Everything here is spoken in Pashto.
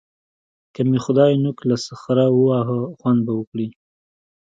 که مې خدای نوک له سخره وواهه؛ خوند به وکړي.